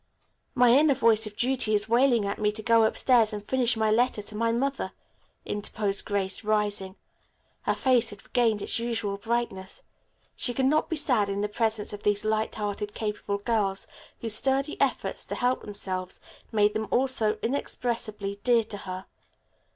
"My inner voice of duty is wailing at me to go upstairs and finish my letter to my mother," interposed Grace, rising. Her face had regained its usual brightness. She could not be sad in the presence of these light hearted, capable girls, whose sturdy efforts to help themselves made them all so inexpressibly dear to her.